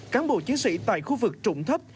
các bộ chiến sĩ tại khu vực trụng thấp